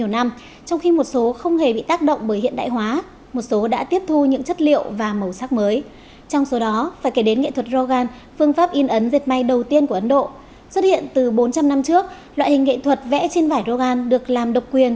năm trước loại hình nghệ thuật vẽ trên vải rogan được làm độc quyền